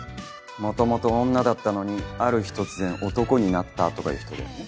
もともと女だったのにある日突然男になったとかいう人だよね？